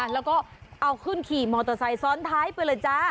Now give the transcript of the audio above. แล้วก็เอาขึ้นขี่มอเตอร์ไซค์ซ้อนท้ายไปเลยจ้า